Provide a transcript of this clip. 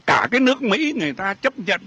cả cái nước mỹ người ta chấp nhận